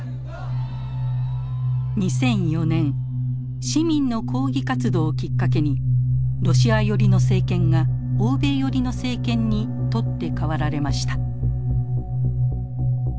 ２００４年市民の抗議活動をきっかけにロシア寄りの政権が欧米寄りの政権に取って代わられました。